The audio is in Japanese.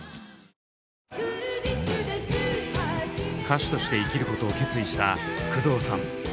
歌手として生きることを決意した工藤さん。